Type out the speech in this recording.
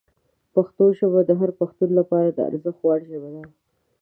پښتو ژبه د هر پښتون لپاره د ارزښت وړ ژبه ده.